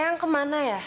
yang kemana ya